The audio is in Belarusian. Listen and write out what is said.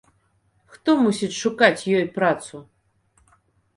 Хто мусіць шукаць ёй працу?